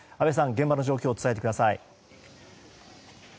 現場の状況を伝えてください。